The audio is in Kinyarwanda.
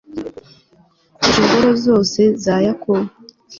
kurusha ingoro zose za yakobo